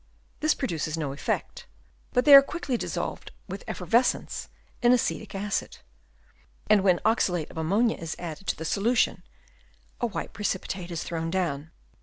This produces no effect ; but they are quickly dissolved with effervescence in acetic acid, and when oxalate of ammonia is added to the solution a white precipitate is thrown down.